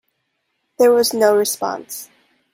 There was no response.